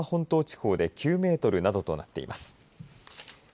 沖縄本島地方で９メートルなどとなっています。